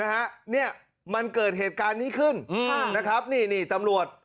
นะฮะเนี่ยมันเกิดเหตุการณ์นี้ขึ้นอืมนะครับนี่นี่ตำรวจ